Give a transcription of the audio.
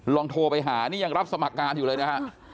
โทรไปหานี่ยังรับสมัครงานอยู่เลยนะฮะ